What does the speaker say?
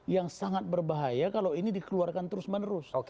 yang sangat berbahaya kalau ini dikeluarkan terus menerus